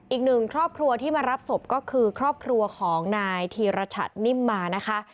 อีกหนึ่งครอบครัวที่มารับศพก็คือครอบครัวของนายธีรชัตนิ่มมานะคะ